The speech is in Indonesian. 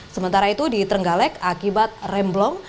sementara itu diterenggalek akibat remblong